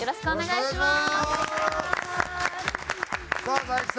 よろしくお願いします。